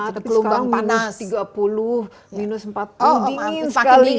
tetapi sekarang minus tiga puluh minus empat puluh dingin sekali